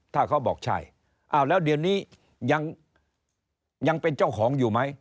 ถ้าเขาบอกใช่อ้าวแล้วเดี๋ยวนี้ยังเป็นเจ้าของอยู่ไหม